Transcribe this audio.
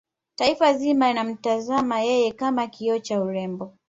taifa zima linamtazama yeye kama kioo cha urembo